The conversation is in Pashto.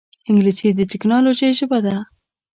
انګلیسي د ټکنالوجۍ ژبه ده